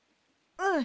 うん。